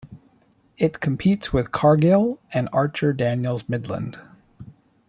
It competes with Cargill and Archer Daniels Midland.